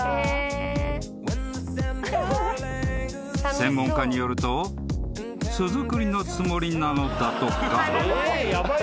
［専門家によると巣作りのつもりなのだとか］